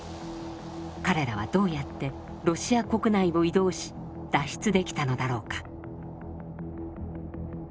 彼らはどうやってロシア国内を移動し脱出できたのだろうか？